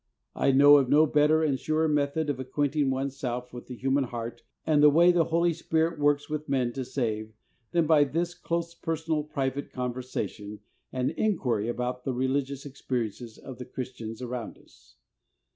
I know of no better and surer method of acquainting one's self with the human heart and the way the Holy Spirit works with men to save than by this close, personal, private conversation and in quiry about the religious experiences of the Christians around us.